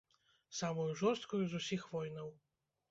Самую жорсткую з усіх войнаў.